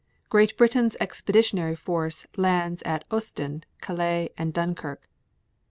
7. Great Britain's Expeditionary Force lands at Ostend, Calais and Dunkirk.